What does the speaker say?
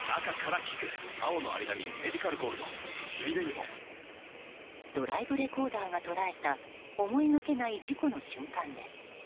「ほんだし」でドライブレコーダーが捉えた思いがけない事故の瞬間です。